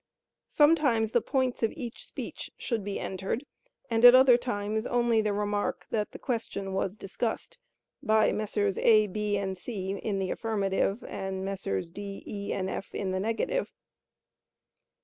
Sometimes the points of each speech should be entered, and at other times only the remark that the question was discussed by Messrs. A., B. and C. in the affirmative, and Messrs. D., E. and F. in the negative.